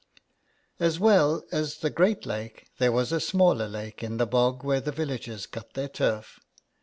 As well as the great lake there was a smaller lake in the bog where the villagers cut their turf.